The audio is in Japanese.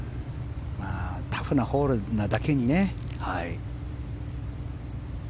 タフなホールなだけにね。